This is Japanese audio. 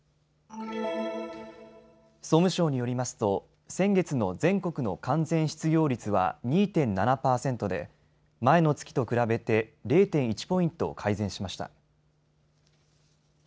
総務省によりますと先月の全国の完全失業率は２．７％で前の月と比べて０．１ポイント改善しました。